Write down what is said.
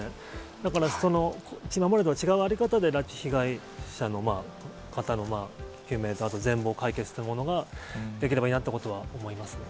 だから今までとは違うやり方で拉致被害者の方の究明と、全貌解決というものができればいいなということは思います。